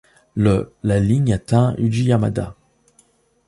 Le la ligne atteint Ujiyamada.